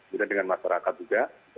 kemudian dengan masyarakat juga